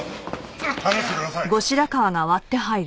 離してください。